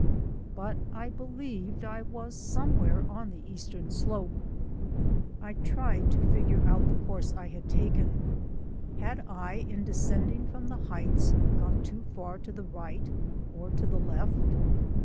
But I believed I was somewhere on the eastern slope. I tried to figure out the course I had taken. Had I, in descending from the heights, gone too far to the right or to the left?